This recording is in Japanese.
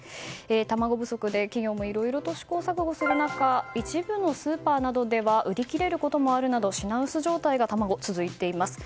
卵不足で企業も試行錯誤する中一部のスーパーでは売り切れることもあるなど品薄状態が卵は続いています。